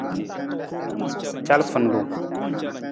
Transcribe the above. Calafarung.